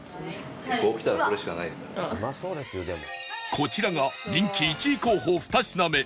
こちらが人気１位候補２品目